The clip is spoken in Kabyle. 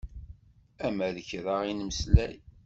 Ama d kra i nemmeslay.